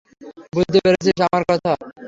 বুঝতে পেরেছিস আমার কথা?